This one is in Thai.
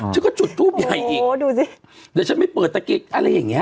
ฉันก็จุดทูปใหญ่อีกเดี๋ยวฉันไม่เปิดตะกิจอะไรอย่างเงี้ย